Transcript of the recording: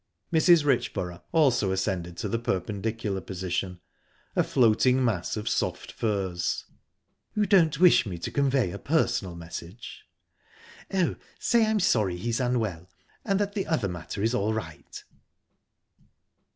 Mrs. Richborough also ascended to the perpendicular position a floating mass of soft furs ..."You don't wish me to convey a personal message?" "Oh, say I'm sorry he's unwell, and that the other matter is all right."